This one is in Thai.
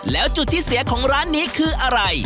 แล้วจุดที่เสียของร้านนี้คืออะไร